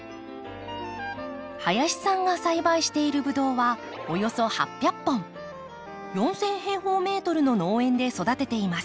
林さんが栽培しているブドウは４，０００平方メートルの農園で育てています。